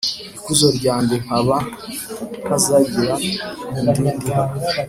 ikuzo ryanjye nkaba ntazagira undi ndiha,